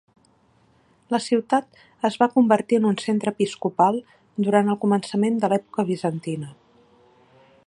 La ciutat es va convertir en un centre episcopal durant el començament de l'època bizantina.